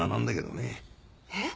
えっ！？